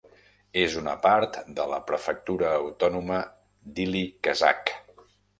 És una part de la prefectura autònoma d'Ili Kazakh.